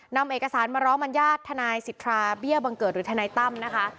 นำเอกสารมาร้องบรรยาทนายสิทธาเบี้ยบังเกิดหรือทนายตั้มนะคะ